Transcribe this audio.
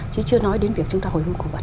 chứ chưa nói đến việc chúng ta hồi hương cổ vật